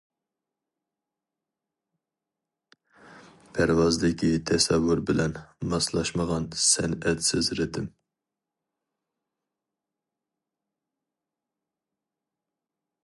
پەرۋازدىكى تەسەۋۋۇر بىلەن، ماسلاشمىغان سەنئەتسىز رىتىم.